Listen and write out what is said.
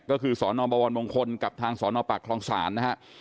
ก็คือสนบวรมงคลกับทางสนปากคลองศาลนะฮะ